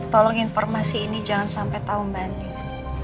tolong informasi ini jangan sampai tahu mbak andin